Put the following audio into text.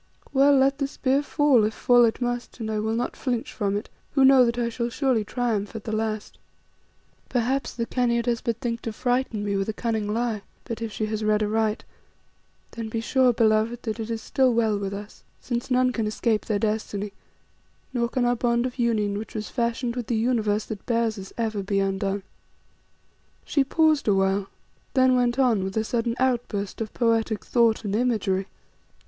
Well, let the spear fall, if fall it must, and I will not flinch from it who know that I shall surely triumph at the last. Perhaps the Khania does but think to frighten me with a cunning lie, but if she has read aright, then be sure, beloved, that it is still well with us, since none can escape their destiny, nor can our bond of union which was fashioned with the universe that bears us, ever be undone." She paused awhile then went on with a sudden outburst of poetic thought and imagery.